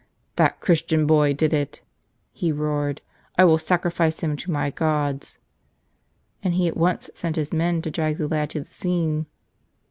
"That Christian boy did it!" he roared. "I will sacrifice him to my gods!" And he at once sent his men to drag the lad to the scene.